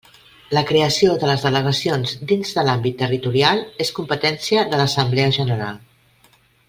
La creació de les delegacions dins de l'àmbit territorial és competència de l'Assemblea General.